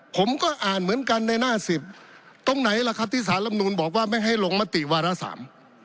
ผมก็อ่านเหมือนกันในหน้าสิบตรงไหนล่ะครับที่สารลำนูนบอกว่าไม่ให้ลงมติวาระสาม